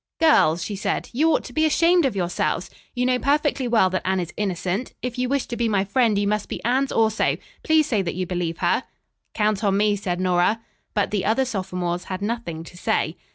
"Girls," she said, "you ought to be ashamed of yourselves. You know perfectly well that Anne is innocent. If you wish to be my friend you must be Anne's also. Please say that you believe her." "Count on me," said Nora. But the other sophomores had nothing to say.